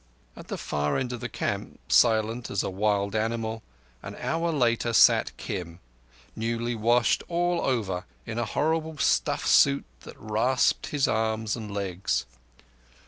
At the far end of the camp, silent as a wild animal, an hour later sat Kim, newly washed all over, in a horrible stiff suit that rasped his arms and legs.